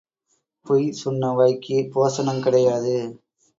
பொய் சொன்ன வாய்க்குப் போசனங் கிடையாது.